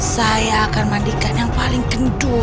saya akan mandikan yang paling kendul